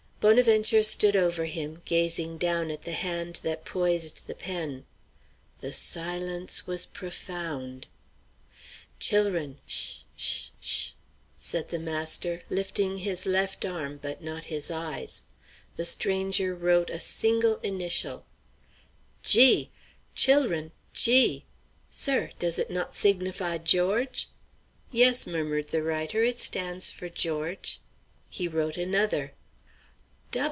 Bonaventure stood over him, gazing down at the hand that poised the pen. The silence was profound. "Chil'run sh sh sh!" said the master, lifting his left arm but not his eyes. The stranger wrote a single initial. "G! chil'run; G! Sir, does it not signify George?" "Yes," murmured the writer; "it stands for George." He wrote another.